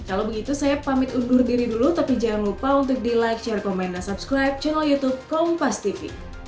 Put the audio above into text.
kalau begitu saya pamit undur diri dulu tapi jangan lupa untuk di like pemain nasabscribe channel youtube kompas tv